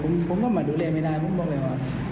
ผมก็มาดูแลไม่ได้ผมบอกเลยว่า